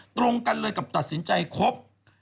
ตรงกันเลยกับตัดสินใจครบ